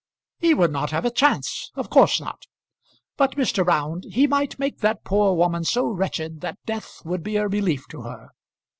"He would not have a chance; of course not. But, Mr. Round, he might make that poor woman so wretched that death would be a relief to her.